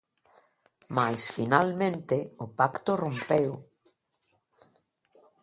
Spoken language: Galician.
Mais, finalmente, o pacto rompeu.